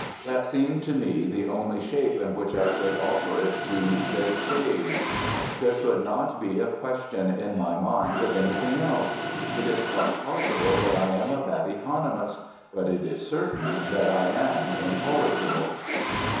That seemed to me the only shape in which I could offer it to their shades. There could not be a question in my mind of anything else. It is quite possible that I am a bad economist; but it is certain that I am incorrigible.